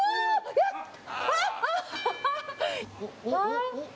やった！